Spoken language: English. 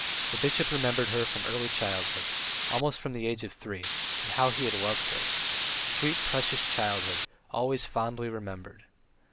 The bishop remembered her from early childhood, almost from the age of three, and how he had loved her! Sweet, precious childhood, always fondly remembered!